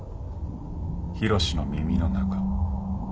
ヒロシの耳の中。